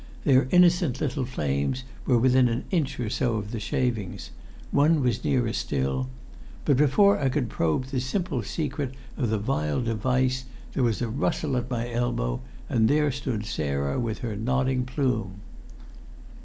Their innocent little flames were within an inch or so of the shavings one was nearer still but before I could probe the simple secret of the vile device, there was a rustle at my elbow, and there stood Sarah with her nodding plume.